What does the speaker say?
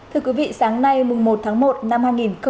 thưa quý vị sáng nay một tháng một năm hai nghìn một mươi bảy